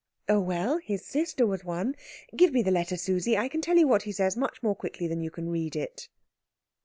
"Oh, well, his sister was one. Give me the letter, Susie I can tell you what he says much more quickly than you can read it."